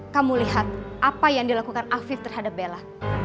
kamu lihat apa yang dilakukan afif terhadap bella